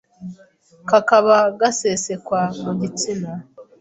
kakaba gasesekwa mu gitsina